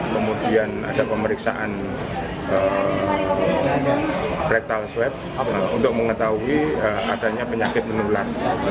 kemudian ada pemeriksaan brektal swab untuk mengetahui adanya penyakit menular